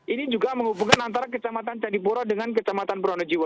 ini juga menghubungkan antara kecamatan cadipuro dengan kecamatan pranajiwa